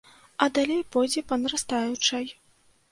А далей пойдзе па нарастаючай.